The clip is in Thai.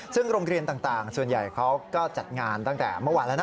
ซึ่งโรงเรียนต่างส่วนใหญ่เขาก็จัดงานตั้งแต่เมื่อวานแล้วนะ